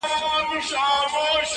یو مُلا وو یوه ورځ سیند ته لوېدلی!